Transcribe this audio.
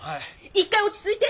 一回落ち着いて。